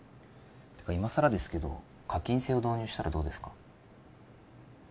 てか今さらですけど課金制を導入したらどうですか？